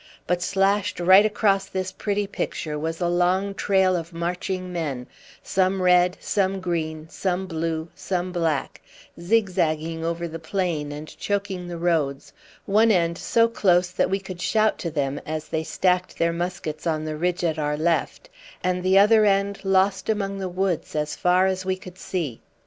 But slashed right across this pretty picture was a long trail of marching men some red, some green, some blue, some black zigzagging over the plain and choking the roads, one end so close that we could shout to them, as they stacked their muskets on the ridge at our left, and the other end lost among the woods as far as we could see.